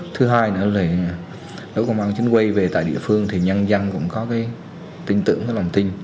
thứ hai nữa là nếu công an chính quyền về tại địa phương thì nhân dân cũng có cái tin tưởng cái lòng tin